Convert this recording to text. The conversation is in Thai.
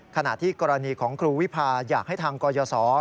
ขณะที่กรณีของครูวิพาอยากให้ทางกรยศ